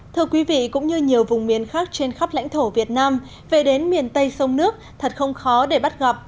thưa quý vị cũng như nhiều vùng miền khác trên khắp lãnh thổ việt nam về đến miền tây sông nước thật không khó để bắt gặp